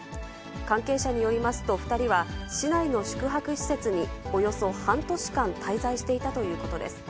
関係者によりますと、２人は、市内の宿泊施設におよそ半年間滞在していたということです。